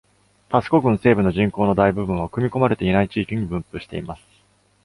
パスコ郡西部の人口の大部分は、組み込まれていない地域に分布しています。